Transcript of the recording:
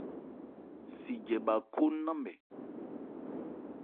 Sijɛ bha khó ńnamɛ.